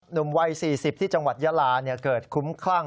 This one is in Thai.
หนุ่มวัย๔๐ที่จังหวัดยาลาเกิดคุ้มคลั่ง